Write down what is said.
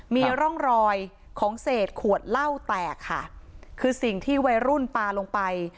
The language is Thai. มีร่องรอยของเศษขวดเหล้าแตกค่ะคือสิ่งที่วัยรุ่นปลาลงไป